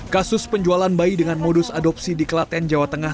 kasus penjualan bayi dengan modus adopsi di kelaten jawa tengah